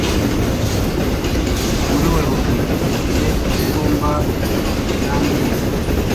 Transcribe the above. Muri Werurwe igihe itumba rirangiye